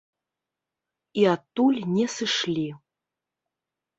І адтуль не сышлі.